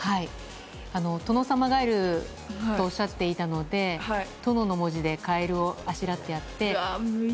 トノサマガエルとおっしゃっていたので殿の文字でカエルをあしらってあって。